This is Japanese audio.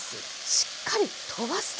しっかりとばすと。